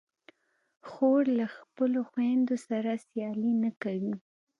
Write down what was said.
خور له خپلو خویندو سره سیالي نه کوي.